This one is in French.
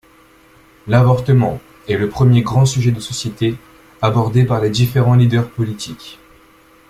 L'avortement est le premier grand sujet de société abordé par les différents leaders politiques.